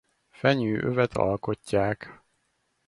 Fenyő-övet alkotják.